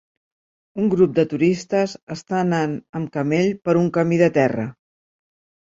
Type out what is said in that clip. Un grup de turistes està anant amb camell per un camí de terra.